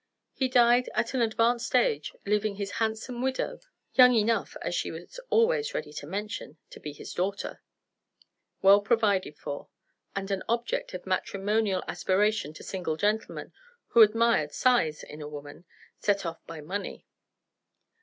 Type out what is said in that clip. He died at an advanced age; leaving his handsome widow (young enough, as she was always ready to mention, to be his daughter) well provided for, and an object of matrimonial aspiration to single gentlemen who admired size in a woman, set off by money.